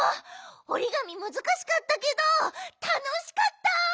おりがみむずかしかったけどたのしかった！